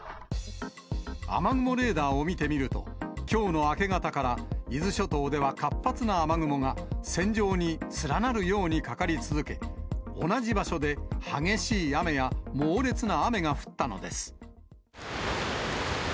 雨雲レーダーを見てみると、きょうの明け方から、伊豆諸島では活発な雨雲が線状に連なるようにかかり続け、同じ場所で激しい雨や猛烈な雨が降ったのです。